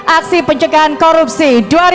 aksi pencegahan korupsi